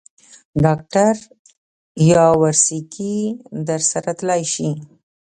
ډاکټر یاورسکي در سره ساتلای شې.